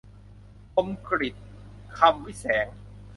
คมกฤษ คำวิแสง